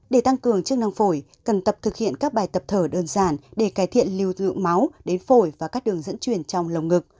để tăng cường chức năng phổi cần tập thực hiện các bài tập thở đơn giản để cải thiện lưu thự máu đến phổi và các đường dẫn chuyển trong lồng ngực